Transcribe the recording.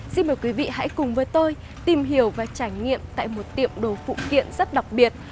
xin mời quý vị hãy cùng với tôi tìm hiểu và trải nghiệm tại một tiệm đồ phụ kiện rất đặc biệt